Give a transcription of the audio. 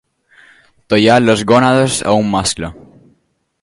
Tallar les gònades a un mascle.